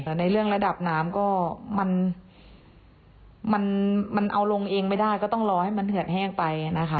แต่ในเรื่องระดับน้ำก็มันเอาลงเองไม่ได้ก็ต้องรอให้มันเหือดแห้งไปนะคะ